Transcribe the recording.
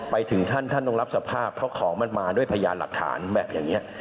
ไปถึงท่านท่านต้องรับสภาพเพราะของมันมาด้วยพยานหลักฐานแบบอย่างนี้